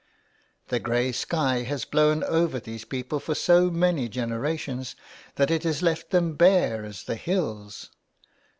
The grey sky has blown over these people for so many generations that it has left them bare as the hills.